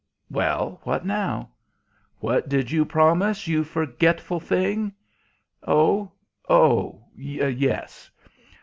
"Well, what now?" "What did you promise, you forgetful thing?" "Oh! oh yes!"